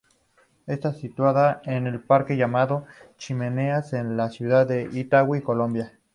Está situada en un parque llamado Las Chimeneas en la ciudad de Itagüí, Colombia.